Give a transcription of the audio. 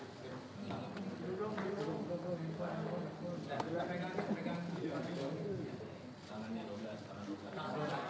karang jam menengah